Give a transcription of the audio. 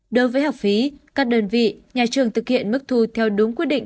đối với học phí các đơn vị nhà trường thực hiện mức thu theo đúng quy định